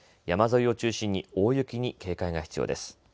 山沿いを中心に大雪に警戒が必要です。